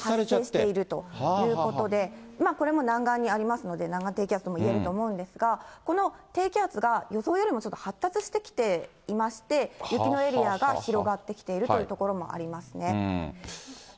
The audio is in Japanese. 反応しているということで、これも南岸にありますので、南岸低気圧ともいえると思うんですが、この低気圧が予想よりもちょっと発達してきていまして、雪のエリアが広がってきているというところもありますね。